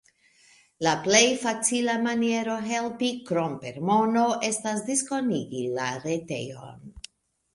La plej facila maniero helpi, krom per mono, estas diskonigi la retejon.